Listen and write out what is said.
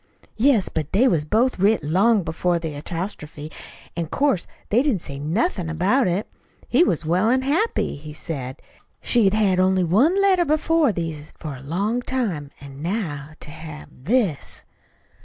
"Yes; but they was both writ long before the apostrophe, an' 'course they didn't say nothin' about it. He was well an' happy, he said. She had had only one letter before these for a long time. An' now to have this!"